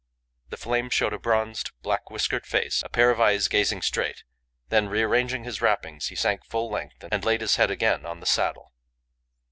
The flame showed a bronzed, black whiskered face, a pair of eyes gazing straight; then, rearranging his wrappings, he sank full length and laid his head again on the saddle.